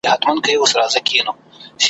شرنګ د ربابونو له مغان سره به څه کوو ,